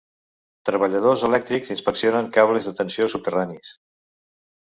Treballadors elèctrics inspeccionen cables de tensió subterranis.